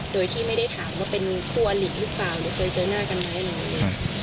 โดยที่ไม่ได้ถามว่าเป็นครัวหลีหรือฝ่าหรือเคยเจอหน้ากันไหม